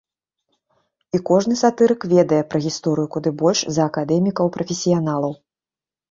І кожны сатырык ведае пра гісторыю куды больш за акадэмікаў-прафесіяналаў.